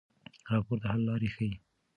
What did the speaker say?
راپور د حل لارې ښيي.